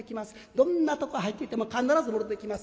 どんなとこ入ってても必ずもろてきます。